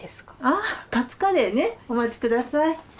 あカツカレーねお待ちください。